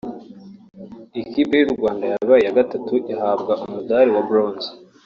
ikipe y’u Rwanda yabaye iya gatatu ihabwa umudari wa Bronze